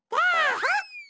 あっ！